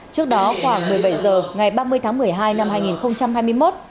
trước đó khoảng một mươi bảy h ngày ba mươi tháng một mươi hai năm hai nghìn hai mươi một